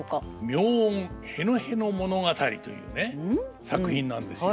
「妙音へのへの物語」というね作品なんですよ。